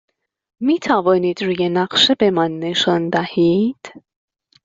می توانید روی نقشه به من نشان دهید؟